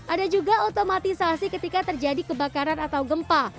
ada juga otomatisasi ketika terjadi kebakaran atau gempa